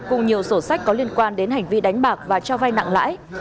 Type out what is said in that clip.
cùng nhiều sổ sách có liên quan đến hành vi đánh bạc và cho vay nặng lãi